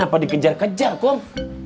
kenapa dikejar kejar kum